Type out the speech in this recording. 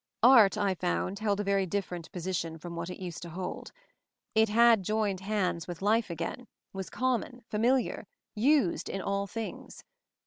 Art, I found, held a very different posi tion from what it used to hold. It had joined hands with life again, was common, familiar, used in all things.